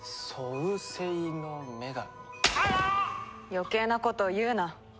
余計なことを言うな。